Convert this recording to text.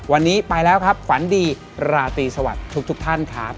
วันนี้ไปแล้วครับฝันดีราตรีสวัสดีทุกท่านครับ